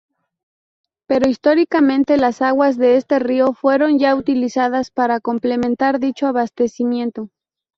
Pero históricamente las aguas de este río fueron ya utilizadas para complementar dicho abastecimiento.